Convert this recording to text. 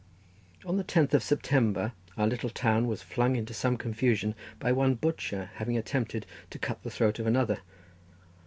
On the tenth of September our little town was flung into some confusion by one butcher having attempted to cut the throat of another.